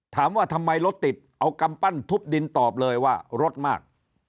ถามว่าทำไมรถติดเอากำปั้นทุบดินตอบเลยว่ารถมาก